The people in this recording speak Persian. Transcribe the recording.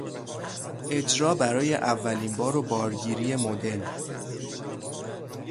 اجرا برای اولین بار و بارگیری مدل